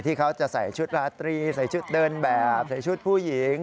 เขาจะใส่ชุดราตรีใส่ชุดเดินแบบใส่ชุดผู้หญิง